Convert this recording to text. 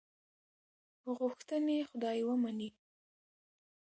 غوښتنې خدای ومني.